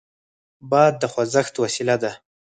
باد د خوځښت وسیله ده.